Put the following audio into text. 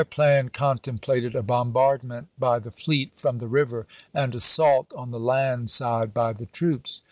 plan contemplated a bombardment by the fleet from the river, and assault on the land side by the troops.